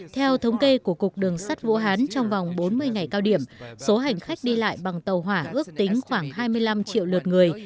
theo thống kê của cục đường sắt vũ hán trong vòng bốn mươi ngày cao điểm số hành khách đi lại bằng tàu hỏa ước tính khoảng hai mươi năm triệu lượt người